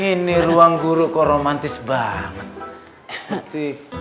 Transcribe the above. ini ruang guru kok romantis banget